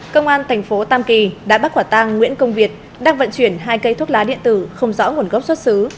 cơ quan thành phố tam kỳ đã bắt quả tăng nguyễn công việt đang vận chuyển hai cây thuốc lá điện tử không rõ nguồn gốc xuất xứ